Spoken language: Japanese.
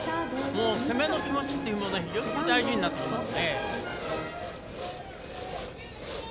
攻めの気持ちというのも非常に大事になってきます。